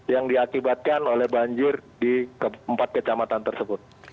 yang diakibatkan oleh banjir di empat kecamatan tersebut